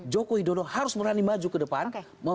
jokowi dodo harus berani maju ke depan